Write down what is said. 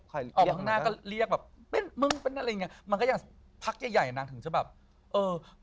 ออกข้างหน้าก็เรียกแบบเป็นมึงเป็นอะไรอย่างเงี้มันก็ยังพักใหญ่ใหญ่นางถึงจะแบบเออ